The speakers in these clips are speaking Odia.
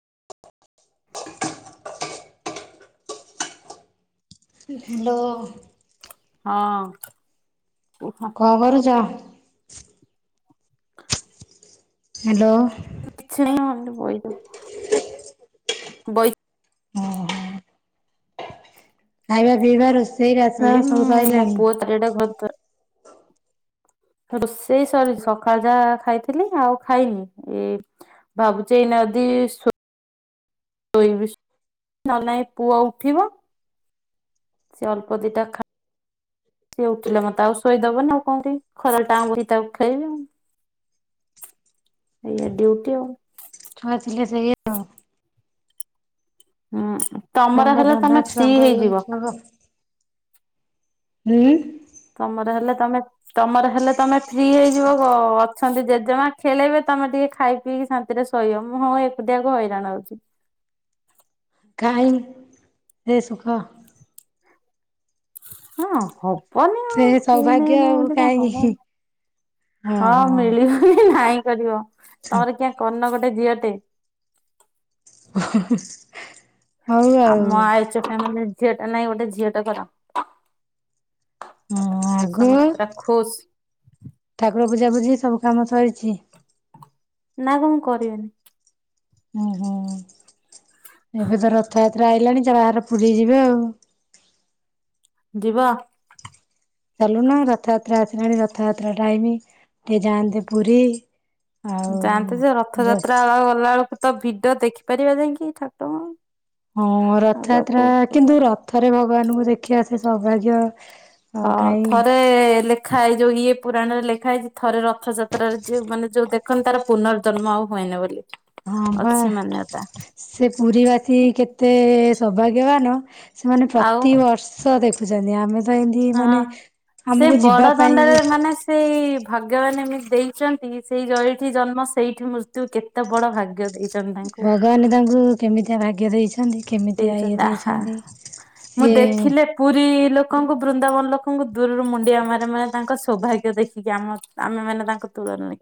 [inaudible] ହ୍ୟାଲୋ। ହଁ। କୁହ ଖବର ଯା। ହ୍ୟାଲୋ କିଛି ନା ଏଇଠି ବୋଇଲୁ। ବଇ ହୁଁ ହୁଁ। ଖାଇବା ପିଇବା ରୋଷେଇ ବାସ ଏଇ ସବୁ ମୋ ସଇଲାନି। ପୁଅ ଚାରିଟା ଘର ରୋଷେଇ ସରି ସକାଳ ଯାହା ଖାଇଥିଲି ଆଉ ଖାଇନି ଏଇ ଭାବୁଛି ଏଇନା ଆଦି ସୋ [inaudible] ୋଇ ନ ନାଇ ପୁଅ ଉଠିବ। ସେ ଅଳ୍ପ ଦିଇଟା ଖା ସିଏ ଉଠିଲେ ମତେ ଆଉ ଶୋଇଦବନ ଆଉ କଉଠି ଖରା ଟାଣ ବହି ତାକୁ ଖେଳେଇବି। ଏଇୟା ଡିଉଟି ଆଉ। ଛୁଆ ଥିଲେ ସେଇୟା ଆଉ। ହୁଁ ତମର ଛୁଆଙ୍କ ହେଲେ ଧନ୍ଦା ତମେ ଫ୍ରି ଛୁଆଙ୍କ ଇଏ ହେଇଯିବ। ଛୁଆଙ୍କ ହୁଁ ତମର ହେଲେ ତମେ ତମର ହେଲେ ତମେ ଫ୍ରି ହେଇଯିବ ଅଁ। ଅଛନ୍ତି ଜେଜେମା ଖେଲେଇବେ ତମେ ଟିକେ ଖାଇ ପିଇକି ଶାନ୍ତିରେ ଶୋଇ ମୁଁ ହଁ ଏକୁଟିଆକୁ ହଇରାଣ ହଉଛି। କାଇଁ ରେ ସୁଖ। ହଁ ହଉ। ପନି ସେ ସେଇ ସୌଭାଗ୍ୟ ନେଇନ ଆଉ ବ ତ କାହିଁ ହବନି ହଁ ଓହୋ ମିଳିବ ନାଇଁ? କରିବ ତମର କିଏ କର୍ଣ ଗୋଟେ ଝିଅଟେ? ହୋ ହୋ ହୋ ଆମ ଆୟଚ ପାଇଁ ମାନେ ଝିଅ ଟା ନାହିଁ ଗୋଟେ ଝିଅଟା କର? ଆଗ ସମତତ ରଖୁଷ ବୁଝା ବୁଝି ସବୁ କାମ ସରିଛି? ନା କଣ କରିବିନି? ହୁଁ ହୁଁ ଏବେ ତ ରଥଯାତ୍ରା ଆଇଲାଣି। ବାହାରେ ପୁରୀ ଯିବେ ଆଉ। ଯିବା ଚାଲୁନ ରଥଯାତ୍ରା ଆସିଲାଣି ରଥଯାତ୍ରା ଟାଇମ ଟିକେ ଯାଆନ୍ତିେ ପୁରୀ। ଆଉ ଯାଆନ୍ତେ ଯେ ଯୋଉ ରଥଯାତ୍ରା ଗଲା ବେଳକୁ ତ ଭିଡି ଦେଖିପାରିବା ଯାଇକି ଠାକୁଟରଙ୍କ ହଁ ରଥଯାତ୍ରା କିନ୍ତୁ ରଥରେ ଭଗବାନଙ୍କୁ ଦେଖିବା ସେ ସୌଭାଗ୍ୟ ଆଉ ହଁ କାହିଁ ଥରେ ଲେଖା ହେଇ ଯୋଉ ଇଏ ପୁରାଣରେ ଲେଖା ହେଇଛି ଥରେ ରଥଯାତ୍ରାରେ ଯ ମାନେ ଯୋଉ ଦେଖନ୍ତି ତାର ପୁନର୍ଜନ୍ମ ଆଉ ହୁଏନି ବୋଲି ହଁ ବା ଅଛି ମାନ୍ୟତା। ସେ ପୁରୀ ବାସୀ କେତେ ସୌଭାଗ୍ୟବାନ ସେମାନେ ଆଉ ପ୍ରତିବର୍ଷ ଦେଖୁଛନ୍ତି ଆମେ ତ ଏମିତି ହଁ ମାନେ ସେ ଆମକୁ ଯିବା ବଡ ପାଇଁ ବି ଦଣ୍ଡରେ ମାନେ ସେଇ ଭଗମାନେ ଦେଇଛନ୍ତି ସେଇ ଯଉଠି ଜନ୍ମ ସେଇଠି ମୃତ୍ୟୁ କେତେ ବଡ ଭାଗ୍ୟ ଦେଇ ଭଗବାନ ତାଙ୍କୁ କେମିତିଆ ଭାଗ୍ୟ ଦେଇଛ? ଦେଇଛନ୍ତି ଆହା ମୁଁ ସିଏ ଦେଖିଲେ ପୁରୀ ଲୋକ ଲୋକଙ୍କୁ ବୃନ୍ଦାବନ ଲୋକଙ୍କୁ ଦୂରରୁ ମୁଣ୍ଡିଆ ମାନ ମାନେ ତାଙ୍କ ସୌଭାଗ୍ୟ ଦେଖିକି ଆମ ଆମେ ମାନେ ତାଙ୍କୁ ତୁଳନା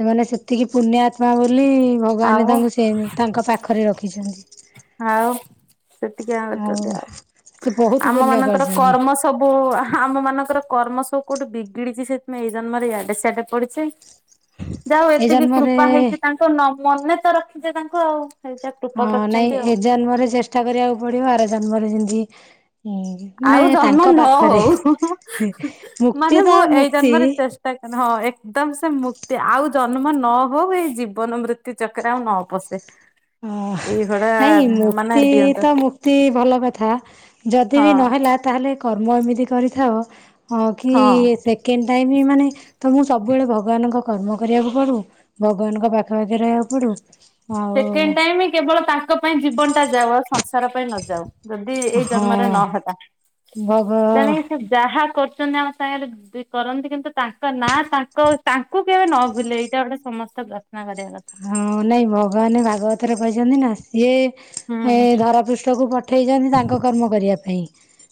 ସେମାନେ ସେତିକି ପୁଣ ଆତ୍ମା ବୋଲି ଭଗବାନ ଆଉ ତାଙ୍କୁ ସେ ତାଙ୍କ ପାଖରେ ରଖିଛନ୍ତି। ହଉ ସେତିକି ଆ କରଛନ୍ତି ଆଉ। ସେ ବହୁତ ଆମ ପୁଣ୍ୟ ମାନଙ୍କର କରିଛନ୍ତି କର୍ମ ସବୁ ଆମ ମାନଙ୍କର କର୍ମ ସବୁ କୋଉଠୁ ବିଗିଡିଛି ସେଥିପାଇଁ ଏଇ ଜନ୍ମ ୟାଡେ ସଆଡେ ପଡିଛି। ଯାହା ଏଇ ଏତିକି କୃପା ଜନ୍ମରେ ହେଇଛି ତାଙ୍କ ମନେ ତ ରଖିଛେ ତାଙ୍କୁ ଆଉ। ଖ କୃପା ହଁ କର ନାଇଁ ଏ ଜନ୍ମରେ ଚେଷ୍ଟା କରିବାକୁ ପଡିବ ଆର ଜନ୍ମରେ ଯେମିତି ହୁଁ ମାନେ ଆଉ ଜନ୍ମ ତାଙ୍କ ନ ପାଖରେ ହଉ ମୁକ୍ତି ମାନେ ତ ମୁଁ ଏଇ ମୁକ୍ତି ଜନ୍ମରେ ଚେଷ୍ଟା କ ହଁ ଏକଦମ ସେ ମୁକ୍ତି। ଆଉ ଜନ୍ମ ନ ହଉ ଏଇ ଜୀବନ ମୃତ୍ୟୁ ଚକରେ ଆଉ ନ ପଶେ। ଅ ଏଇଭଳିଆ ନାଇଁ ମାନେ ମୂର୍ତି ଦିଅନ୍ତୁ ତ ମୁୂର୍ତି ଭଲ କଥା ଯଦି ହଁ ବି ନହେଲା ତା ହେଲେ କର୍ମ ଏମିତି କରିଥାଅ କି ହଁ। ସେକେଣ୍ଡ ଟାଇମ୍ ମାନେ ତ ମୁଁ ସବୁବେଳେ ଭଗବାନଙ୍କ କର୍ମ କରିବାକୁ ପଡ଼ୁ ଭଗବାନଙ୍କ ପାଖାପାଖି ରହିବାକୁ ପଡ଼ୁ ଆଉ ସେ ଟାଇମ କେବଳ ତାଙ୍କ ପାଇଁ ଜୀବନ ଟା ଯାଉ ଆଉ ସଂସାର ପାଇଁ ନ ଯାଉ। ଯଦି ଏଇ ହଁ ଜନ୍ମରେ ନ ହେଲା ଭଗ ତେଣିକି ସେ ଯାହା କର ରିଚନ୍ତି ଆମ ସାଙ୍ଗରେ ସେ କରନ୍ତି କିନ୍ତୁ ତାଙ୍କ ନା ତାଙ୍କ ତାଙ୍କୁ କେବେ ନ ଭୁଲେ ଏଇଟା ଗୋଟେ ସମସ୍ତ ଆ ହଁ ନାଇଁ ଭଗବାନ ଭାଗବତରେ କହିଛନ୍ତି ନା ସିଏ ହୁଁ। ଏ ଧରା ପୃଷ୍ଠକୁ ପଠେଇଛନ୍ତି ତାଙ୍କ କର୍ମ କରିଆ ପାଇଁ।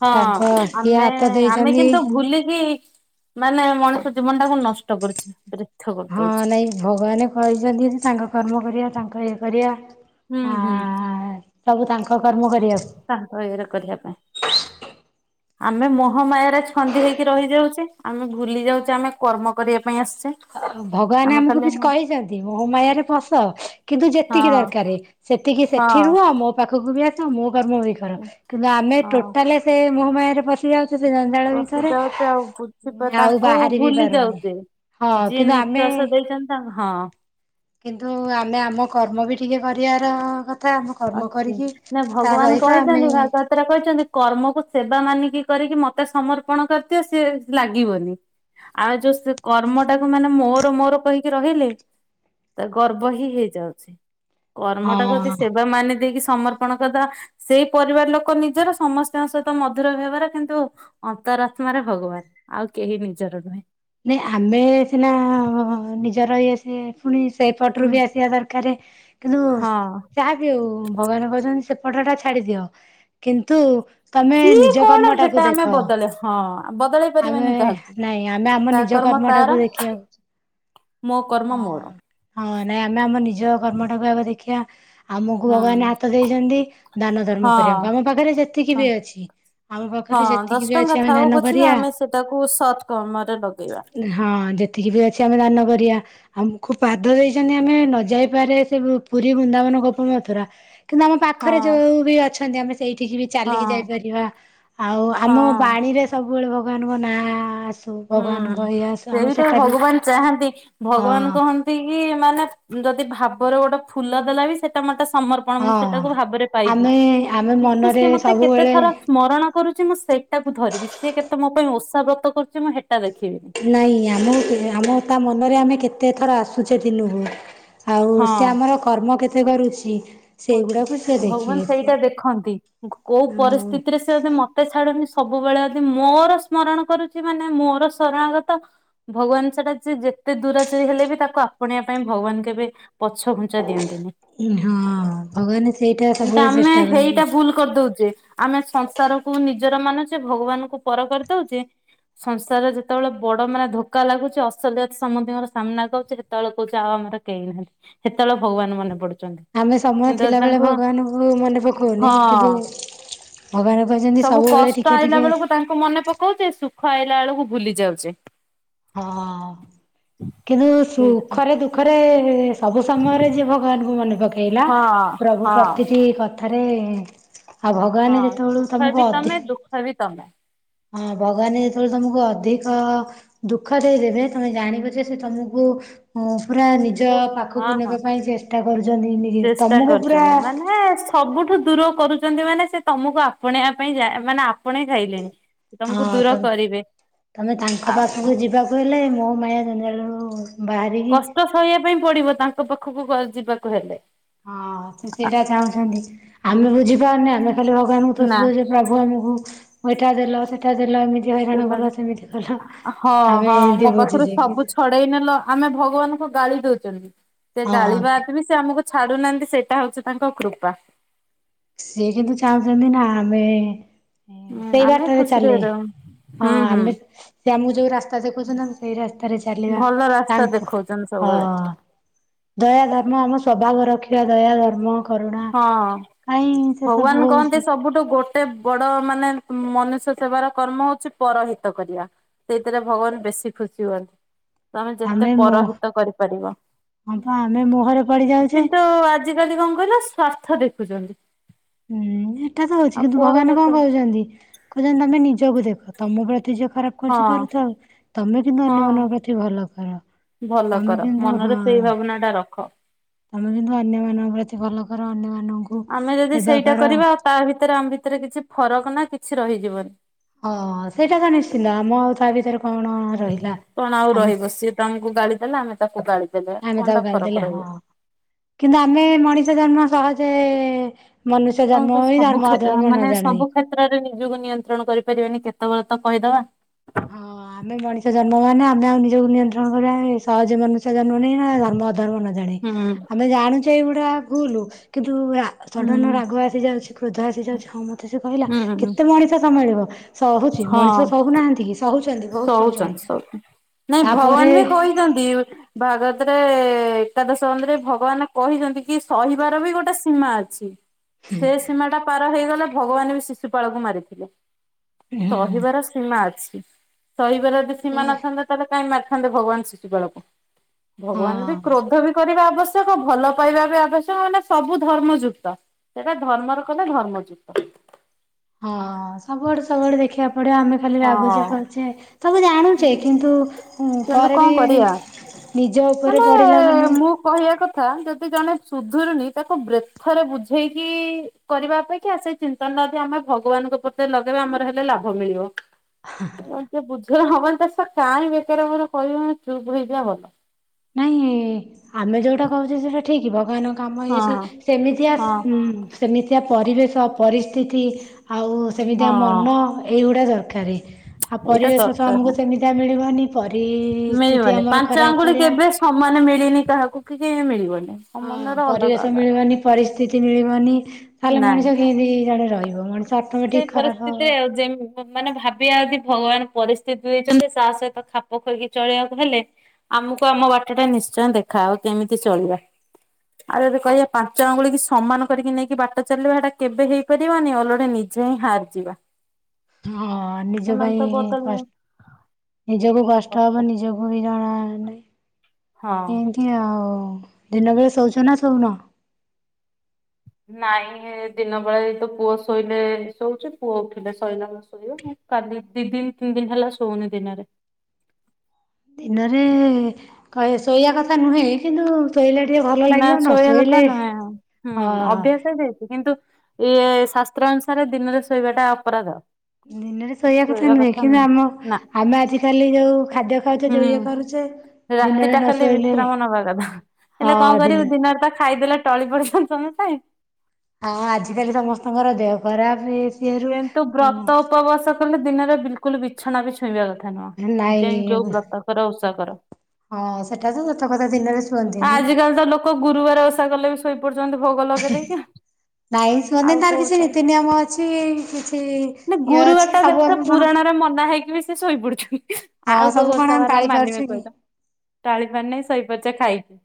ହଁ ତାଙ୍କ ସିଏ ଆମେ ହାତ ଆମେ ଦେଇଛନ୍ତି କିନ୍ତୁ ଭୁଲି କି ମାନେ ମଣିଷ ଜୀବନ ଟାକୁ ନଷ୍ଟ କରୁଛୁ [unintelligible] ହଁ ନାଇଁ ଭଗବାନ କହିଛନ୍ତି ଯେ ତାଙ୍କ କର୍ମ କରିଆ ତାଙ୍କ ଇଏ କରିଆ। ହୁଁ ହୁଁ। ସବୁ ତାଙ୍କ କର୍ମ କରିବାକୁ। ତାଙ୍କ ଇଏରେ କରିଆ ପାଇଁ। ଆମେ ମୋହମାୟାରେ ଛନ୍ଦି ହେଇକି ରହିଯାଉଛେ ଆମେ ଭୁଲି ଯାଉଚେ ଆମେ କର୍ମ କରିଆ ପାଇଁ ଆସିଛେ। ଅ ଭଗବାନ ଆମେ ଆମକୁ ଖାଲି କିଛି କହିଛନ୍ତି ମୋହମାୟାରେ ପଶ କିନ୍ତୁ ହଁ ଯେତିକି ଦରକାରେ ସେ ତିିକି ହଁ ସେଠି ରୁହ ମୋ ପାଖକୁ ବି ଆ ସ ମୋ କାମ ବି କର କିନ୍ତୁ ଆମେ ହଁ। ଟୋଟାଲେ ସେ ମୋହମାୟାରେ ପଶିଯାଉ ସେ ଯଞ୍ଚାଳ ପଶି ଭିତରେ ଯାଉଚେ ଆଉ ବୁଝି ପା ଆଉ ବାହାରି ବି ପାରୁନି। ହଁ ସେ କିନ୍ତୁ ଆମେ ନିଶ୍ଵାସ ଦେଇଛନ୍ତି [unintelligible] କିନ୍ତୁ ଆମେ ଆମ କର୍ମ ବି ଟିକେ କରିଆର କ ଅଛି ନା ଭଗବାନ ଆମେ କହିଛନ୍ତି ଭାଗବତରେ କହିଛନ୍ତି କର୍ମକୁ ସେବା ମାନିକି କରିକି ମତେ ସମର୍ପଣ କରିଦିଅ ସିଏ ଲାଗିବନି। ଆଉ ଯୋଉ ସେ କର୍ମ ଟାକୁ ମାନେ ମୋର ମୋର କହିକି ରହିଲେ ତା ଗର୍ବ ହିଁ ହେଇଯାଉଛି ହଁ କର୍ମଟାକୁ ଯଦି ସେବା ମାନି ଦେଇକି ସମର୍ପଣ କରିଦେବା ସେଇ ପରିବାର ଲୋକ ନିଜର ସମସ୍ତଙ୍କ ସହିତ ମଧୁର ବ୍ୟବହାର କିନ୍ତୁ ଅନ୍ତର ଆତ୍ମାରେ ଭଗବାନ ଆଉ କେହି ନିଜର ନୁହେଁ। ନାଇଁ ଆମେ ସିନା ନିଜର ଇଏ ସିଏ ପୁଣି ସେଇପଟରୁ ହୁଁ ବି ଆସିଆ ଦରକାରେ କିନ୍ତୁ ହଁ। ଯାହା ବିି ହଉ ଭଗବାନ କହିଛନ୍ତି ସେ ପଠଟା ଛାଡି ଦିଅ କିନ୍ତୁ ତମେ କି ନିଜ କଣ କର୍ମ ସେଟା ଟାକୁ ଆମେ ଦେଖ। ବଦଳେ ହଁ ବଦଳେଇ ଆମେ ପାରିବାନି କାହାକୁ। ନାଇଁ ଆ ମ ତା ନିଜ କର୍ମ ଟାକୁ ତାର ଦେଖିଆକୁ ମୋ କର୍ମ ହଁ ମୋର ହଁ ନାଇଁ ଆମେ ଆମ ନିଜ କର୍ମଟାକୁ ଆଗ ଦେଖିଆ। ଆମକୁ ହୁଁ ଭଗବାନ ହାତ ଦେଇଛନ୍ତି ଦାନ ଧର୍ମ କରିଆକୁ ଆମ ହଁ। ପାଖରେ ଯେତିକି ବି ଅଛି ଆମ ପା ହଁ ଦଶ ଟଙ୍କା ଥାଉ ପଛ କେ ଆମେ ସେଟାକୁ ସତ କର୍ମ ହଁ ଯେତିକି ବି ଅଛି ଆମେ ଦାନ କରିଆ। ଆମକୁ ପାଦ ଦେଇଛନ୍ତି ଆମେ ନ ଯାଇପାରିଆ ସେ ଉ ପୁରୀ, ବୃନ୍ଦାବନ, ଗୋପ, ମଥୁରା। କିନ୍ତୁ ଆମ ହଁ। ପାଖରେ ଯୋଉ ବି ଅଛନ୍ତି ଆମେ ସେଇଠିକି ବି ହଁ ଚାଲିକି ଯାଇପାରିବା ଆଉ ଆମ ହଁ ବାଣୀରେ ସବୁ ସବୁବେଳେ ଭଗବାନଙ୍କ ନାଁ ଆସୁ ହୁଁ ଭଗବାନଙ୍କ ଏଆ ସେଇଟା ଭଗବାନ ଚାହାଁନ୍ତି ଭଗବାନ ହଁ କହନ୍ତି କି ମାନେ ଯଦି ଭା ବରେ ଗୋଟେ ଫୁଲ ଦେଲା ବି ସେଟା ମତେ ସମର୍ପଣ ମୁଁ ହଁ ସେଇଟାକୁ ଭାବରେ ପାଇବି। ଆମେ ଆମେ କିନ୍ତୁ ମନରେ ସିଏ ମତେ କେତେ ସବୁବେଳେ ଥର ସ୍ମରଣ କରୁଛି ମୁଁ ସେଇଟାକୁ ଧରିବି ସିଏ କେ ତେ ମୋ ପାଇଁ ଓଷା ବ୍ରତ କରୁଛି ମୁଁ ସେ ନାଇଁ ଆମ [inaudible] ଆମେ ତା ମନରେ ଆମେ କେତେ ଥର ଆସୁଛେ ଦିନକୁ। ଆଉ ହଁ ସେ ଆମର କର୍ମ କେତେ କରୁଛି। କହୁଛି ସେଇଗୁଡାକୁ ସେ ଭଗବାନ ଦେଖିବେ ସେ ସେଇଟା ଦେଖନ୍ତି କୋଉ ଆଉ ପରିସ୍ଥିତିରେ ସେ ମତେ ଛାଡୁନି ସବୁବେଳେ ଯଦି ମୋର ସ୍ମରଣ କରୁଛି ମାନେ ମୋର ସରଣାଗତ ଭଗବାନ ସେଇଟା ସେ ଯେତେ ଦୂରାଚାଇ ହେଲେ ବି ତାକୁ ଆପଣେଇବା ପାଇଁ ଭଗବାନ କେବେ ପଛ ଘୁଞ୍ଚା ଦିଅନ୍ତିନି। ହଁ ଭଗବାନ ସେଇଟା କିନ୍ତୁ ସବୁବେଳେ ଆମେ ଚେଷ୍ଟା କରନ୍ତି ହେଇଟା ଭୁଲ କରିଦଉଛେ ଆମେ ସଂସାରକୁ ନିଜର ମାନୁଛେ ଭଗବାନଙ୍କୁ ପର କରିଦଉଚେ। ସଂସାରରେ ଯେତେବେଳେ ବଡ ମାନେ ଧୋକା ଲାଗୁଛି ଅସଲିୟତ ସମସ୍ତିଙ୍କର ସାମ୍ନା କୁ ଆଉଛି ସେତେବେଳେ କହୁଛି ଆଉ ଆ ମୋର କେହି ନାହାନ୍ତି ସେତେବେଳେ ଭଗବାନ ମନେ ପଡୁଛନ୍ତି। ଆମେ ସମୟ କିନ୍ତୁ ଥିଲାବେଳେ ତାଙ୍କୁ ଭଗବାନଙ୍କୁ ମନେ ପକାଉନେ ହଁ କିନ୍ତୁ ଭଗବାନ କହିଛନ୍ତି ସବୁ ସବୁବେଳେ କଷ୍ଟ ଟିକେ ଆଇଲା ଟିକେ ବେଳକୁ ତାଙ୍କୁ ମନେ ପକୋଉଛେ ସୁଖ ଆଇଲା ବେଳକୁ ଭୁଲି ଯାଉଛେ। ହଁ କିନ୍ତୁ ସୁଖରେ ଦୁଃଖରେ ସବୁ ସମୟରେ ଯିଏ ଭଗବାନଙ୍କୁ ମନେ ପକେଇଲା ହଁ ପ୍ରଭୁ ହଁ ପ୍ରତିଟି କଥାରେ ଆଉ ଭଗବାନ ହଁ ଯେତେବେଳୁ ସୁଖ ତମକୁ ବି ତମେ ଅଧିକ ଦୁଃଖ ବି ତମେ। ହଁ ଭଗବାନ ଯେତେବେଳେ ତମକୁ ଅଧିକ ଦୁଃଖ ଦେଇଦବେ ତମେ ଜାଣିବ ଯେ ସେ ତମକୁ ହଁ ପୁରା ନିଜ ବହୁତ ହଁ ପାଖକୁ ହଁ ନେବା ପାଇଁ ଚେଷ୍ଟା କରୁଛନ୍ତି ନିଜେ ଚେଷ୍ଟା ତମକୁ ପୁରା କରୁଛନ୍ତି ମାନେ ସବୁଠୁ ଦୂର କରୁଛନ୍ତି ମାନେ ସେ ତମକୁ ଆପଣେଇବା ପାଇଁ ଯାଏ ମାନେ ଆପଣେଇ ସାଇଲେଣି। ତମକୁ ହଁ ଦୂର ତମେ କରିବେ ତମେ ତାଙ୍କ ଆଉ ପାଖକୁ ଯିବାକୁ ହେଲେ ମୋହ ମାୟା ଜନ୍ଜାଳରୁ କଷ୍ଟ ସହିବାକୁ ପାଇଁ ପଡିବ ତାଙ୍କ ପାଖକୁ ଯିବାକୁ ହେଲେ। ହଁ ସେ ସେଇଟା ଚାହୁଁଛନ୍ତି ଆମେ ବୁଝିପାରୁନେ ଆମେ ଖାଲି ଭଗବାନଙ୍କୁ ତ ଦୋସୋ ଦୋଉଛେ ପ୍ରଭୁ ଆମକୁ ଏଇଠା ଦେଲ ସେଠା ଆମେ ହଁ-ହଁ ଏମିତି ମୋ ପାଖରୁ ବୁଝୁଛେ ସବୁ କିନ୍ତୁ ଛଡେଇ ନେଲ ଆମେ ଭଗବାନଙ୍କୁ ଗାଳି ଦଉଛି। ସେ ହଁ ଗାଳିବାଦ ବି ସେ ଆମକୁ ଛାଡୁନାହାନ୍ତି ସେଇଟା ହଉଛି ତାଙ୍କ କୃପା। ସିଏ କିନ୍ତୁ ଚାହୁଁଛନ୍ତି ନା ଆମେ ହୁଁ ସେଇ ଆମେ ବାଟରେ ଖୁସିରେ ଚାଲେ ରହୁ ହଁ ହୁଁ ହୁଁ ଆମେ ସେ ଆମକୁ ଯୋଉ ରାସ୍ତା ଦେଖୁଛନ୍ତି ଆ ସେଇ ରାସ୍ତା ଚାଲିବା ଭଲ ରାସ୍ତା ତାଙ୍କୁ ଦେଖଉଛନ୍ତି ହଁ ସବୁବେଳେ ଦୟା ଭାବନା ଆମ ସ୍ୱଭାବର ସେଖିବି ଦୟା ଧର୍ମ କରୁଣା ହଁ କାହିଁ ସେ ସବୁ ଭଗବାନ କହନ୍ତି ହଉଛି ସବୁଠୁ ଗୋଟେ ବଡ ମାନେ ମନୁଷ୍ୟ ସେବାର କର୍ମ ହଉଛି ପରହିତ କରିବା ସେଇଥିରେ ଭଗବାନ ବେଶୀ ଖୁସି ହୁଅନ୍ତି। ତମେ ଯେତେ ଆମେ ମୋହ ପରହିତ କରିପାରିବ। ହଁ ପା ଆମେ ମୋହରେ ପଡି ଯାଉଛେ କିନ୍ତୁ ଆଜିକାଲି କଣ କହିଲ ସ୍ଵାର୍ଥ ଦେଖୁଛନ୍ତି। ହୁଁ ଏଇଟା ତ ହଉଛି ଆଉ କିନ୍ତୁ ଭଗବାନ ପରହିତ କଣ କହୁଛନ୍ତି କହୁଛନ୍ତି ତମେ ନିଜକୁ ଦେଖ ତମ ପ୍ରତି ଯେ ଖରାପ ହଁ କରଛି କରୁଥାଉ ତମେ କିନ୍ତୁ ହଁ। ଅନ୍ୟମାନଙ୍କ ପ୍ରତି ଭଲ କର। ଭଲ ତମେ କର କିନ୍ତୁ ହଁ ମନରେ ସେଇ ଭାବନା ଟା ରଖ। ତମେ କିନ୍ତୁ ଅନ୍ୟ ମାନଙ୍କ ପ୍ରତି ଭଲ କର ଅନ୍ୟ ମାନଙ୍କୁ ଆମେ ଯଦି ସେଇଟା କରିବା ଆଉ ତା ଭିତରେ ଆମ ଭିତରେ କିଛି ଫରକ ନା କିଛି ରହିଯିବନି। ହଁ ସେଇଟା ତ ନିଶ୍ଚିନ୍ତ ଆମ ଆଉ ତା ଭିତରେ କଣ ରହିଲା କଣ ଆଉ ଆମେ ରହିବ ସିଏ ତମକୁ ଗାଳି ଦେଲେ ଆମେ ତାକୁ ଗାଳି ଦେଲେ ଆମେ କଣଟା ତାକୁ ଗାଲି ଫରକ ଦେଲେ ହଁ ରହିବ। କିନ୍ତୁ ଆମେ ମଣିଷ ଜନ୍ମ ସହଜେ ମନୁଷ୍ୟ କଣ ଜନ୍ମ କ ହୋଇ ସବୁ ଧର୍ମ ଅଧର୍ମ ନ ମାନେ ଜାଣି ସବୁ କ୍ଷେତ୍ରରେ ନିଜକୁ ନିୟନ୍ତ୍ରଣ କରିପାରିବେନି କେତେ କେତେବେଳେ ତ କହିଦବା। ହଁ ଆମେ ମଣିଷ ଜନ୍ମ ମାନେ ଆମେ ଆଉ ନିଜକୁ ନିୟନ୍ତ୍ରଣ କରିବା ସହଜ ଜନ୍ମ ନ ନା ଧର୍ମ ଅଧର୍ମ ନ ଜାଣେ ହୁଁ ଆମେ ଜାଣୁଛେ ଏଇଗୁଡା ଭୁଲୁ କି ତୁ ହୁଁ ସଡ଼ନ ରାଗ ଆସିଯାଉଛି କ୍ରୋଧ ଆସିଯାଉଛି ହଁ ମୋତେ ସେ କହିଲା ହୁଁ କେତେ ମଣିଷ ସମ୍ଭାଳିବ। ସହୁଛି ମଣିଷ ଶହୁନାହାନ୍ତି କି। ସହୁଛନ୍ତି ବହୁତ ସହୁଛନ୍ତି ଶଉଛନ୍ତି ଶଉଛନ୍ତି ନାଇଁ ତାପରେ ଭଗବାନ ବି କହିଛନ୍ତି ଭାଗବତରେ ଏକାଦଶ [unintelligible] ରେ ଭଗବାନ କହିଛନ୍ତି କି ସହିବାର ବି ଗୋଟେ ସୀମା ଅଛି। ସେ ସୀମା ଟା ପାର ହେଇଗଲେ ଭଗବାନ ବି ଶିଶୁପାଳକୁ ମାରିଥିଲେ। ହୁଁ ସହିବାର ସୀମା ଅଛି ସହିବାର ଯଦି ସେ ସୀମା ନଥାନ୍ତା ତାହେଲେ କାହିଁ ମା ରିଥାନ୍ତେ ଭଗବାନ ଶିଶୁପାଳକୁ ହଁ ଭଗବାନ ବି କ୍ରୋଧ ବି କରିବା ଆବଶ୍ୟକ ଭଲ ପାଇବା ବି ଆବଶ୍ୟକ ମାନେ ସବୁ ଧର୍ମ ଯୁକ୍ତ। ସେଇଟା ଧର୍ମର କଲେ ଧର୍ମଯୁକ୍ତ। ହଁ ସବୁଆଡୁ ସବୁଆଡେ ଦେଖିବାକୁ ପଡିବ ଆମେ ଖାଲି ରାଗୁଚ [unintelligible] ତମେ ପରେ କଣ ବି କରିବା? ନିଜ ଉପରେ ମାନେ ପଡିଲା ମାନେ ମୁଁ କହିବା କଥା ଯଦି ଜଣେ ସୁଧୁରୁନି ତାକୁ ବ୍ରେଥରେ ବୁଝେଇକି କରିବା ଅପେକ୍ଷା ସେ ଚିନ୍ତନା ଟା ଆମେ ଭଗବାନ ଉପରେ ଲଗେଇବା ଆମର ହେଲେ ଲାଭ ମିଳିବ। ହବନି ଷେତ କାହିଁ ବେକାର ମୋର କହିବା ଚୁପ୍ ହେଇଯିବା ଭଲ। ନାଇଁ ଆମେ ଯୋଉଟା କହୁଚେ ସେଟା ଠିକ, ଭଗବାନଙ୍କ କାମ ଇଏ ହଁ ସେମିତି ଆ ହଁ ଉଁ ସେମିତିଆ ପରିବେଶ, ପରିସ୍ଥିତି ଆଉ ସେମିତିଆ ହଁ ମନ ଏଇଗୁଡ଼ା ଦରକାରେ ଆଉ ଏଇଟା ପରିବେଶ ତ ଆମକୁ ଦରକାର। ସେମିତିଆ ମିଳିବନି। ପରିସ୍ଥିତି ମିଳିବନି। ଆମର ପାଞ୍ଚ ଖରାପ ଆଙ୍ଗୁଳି ଭଳିଆ କେବେ ସମାନ ମିଳେନି କାହାକୁ କି ମିଳିବନି। ହଁ ସମାନର ଅଲଗା ପରିବେଶ ଅଲଗା। ମିଳିବନି ପରିସ୍ଥିତି ମିଳିବନି, ତାହେଲେ ନାଇଁ। ମଣିଷ କେମିତି ଜଣେ ରହିବ ମଣିଷ ଅଟୋମେଟିକ ସେଇ ଖରାପ ହବ ପରିସ୍ଥିତିରେ ଜେମ୍ ମାନେ ଭାବିବା ଆଉ କି ଭଗବାନ ପରିସ୍ଥିତି ଦେଇଚନ୍ତି ତା ସହିତ ଖାପ ଖୁଏଇକି ଚଳିବାକୁ ହେଲେ ଆମକୁ ଆମ ବାଟରେ ନି ଶ୍ଚୟ ଦେଖାହବ କେମିତି ଚଳିବା? ଆଉ ଯଦି କହିବା ପାଞ୍ଚ ଆଙ୍ଗୁଠି କି ସମାନ କରିକି ନେଇକି ବାଟ ଚାଲିବ, ଏଟା କେବେ ହେଇପାରିବନି ଅଲୋଡ଼ା ନି ଯାଇ ହାରିଯିବା। ହଁ ନିଜ ସେମାନେ ପାଇଁ ତ ବଦଳିବେ କଷ୍ ନିଜ ପାଇଁ ସବୁ କଷ୍ଟ ହବ ନିଜକୁ ବି ଜଣା ହଁ। ଏମିତି ଆଉ ଦିନ ବେଳେ ଶୋଉଚ ନା ଶଉନ? ନାଇଁ ଦିନ ବେଳେ ତ ପୁଅ ଶୋଇଲେ ଶୋଉଚି ପୁଅ ଉଠିଲେ ଶୋଇଲା ନ ଶୋଇବ ମୁଁ କାଲି ଦି ଦିନ ତିନି ଦିନ ହେଲା ଶୋଉନି ଦିନରେ। ଦିନରେ କ ଶୋଇବା କଥା ନୁହେଁ କିନ୍ତୁ ଶୋଇଲେ ଟିକେ ଭଲ ନା ଲାଗିବ ନ ଶୋଇବା କଥା ଶୋଇଲେ ନୁହେଁଁ, ହଁ ଅଭ୍ୟାସ ହେଇଯାଇଚି କିନ୍ତୁ ଇଏ ଶାସ୍ତ୍ର ଅନୁସାରେ ଦିନରେ ଶୋଇବାଟା ଅପରାଧ। ଦିନରେ ଶୋଇବା କଥା ନୁହେଁ କିନ୍ତୁ ଆମ ଆମେ ଆଜିିକାଲି ଯୋଉ ଖାଦ୍ୟ ଖାଉଚେ ଯୋଉ ଇଏ ହୁଁ କରୁଛେ ଦିନରେ ରାତିଟା ନ ଖାଲି ଶୋଇଲେ ବିଶ୍ରାମ ନେବା କଥା। ହେଲେ କଣ କରିବୁ ଦିନରେ ତ ଖାଇଦେଲେ ଟଳି ପଡିପଡୁଚୁ [unintelligible] ପାଇଁ। ହଁ ଆଜିିକାଲି ସମସ୍ତଙ୍କର ଦେହ ଖରାପ ହେଇ କିନ୍ତୁ ବ୍ରତ ଉପବାସ କିନ୍ତୁ ଦିନରେ ବିଲକୁଲ ବିଛଣାରେ ଶୋଇବା କଥା ନୁହଁ ନାଇଁ ଯାଇ ଯୋଉ ବ୍ରତକର ଓଷା କର। ହଁ ସେଟା ତ ସତ କଥା ଦିନରେ ଶୁଅନ୍ତିନି। ଆଜି କାଲି ତ ଲୋକ ଗୁରୁବାର ଓଷା କଲେ ବି ଶୋଇ ପଡୁଚନ୍ତି ଭୋଗ ଲଗେଇ ଦେଇକି। ନାଇଁ ସୋନି ତାର କିଛି ନୀତି ନିୟମ ଅଛି। କିଛି ଇଏ ଅଛି ଗୁରୁବାରଟାରେ ସବୁ ଦେଖ ଆମେ କଣ ପୁରାଣରେ ମନା ଖାଇକି ସେ ଶୋଇ ପୁଡୁଚନ୍ତି। ହଁ ଆଉ ସବୁ କୋଉ କଣ ଓଷା ଆମେ ବାର ପାଳି ପାରୁଛେ ମାନିବେ କି? କହିଲ ଟଳି ପାଣି ନେଇ ଶୋଇ ପଚା ଖାଇକି